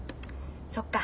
そっか。